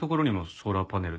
ソーラーパネル。